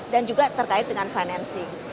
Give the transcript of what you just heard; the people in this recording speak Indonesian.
dan juga terkait dengan financing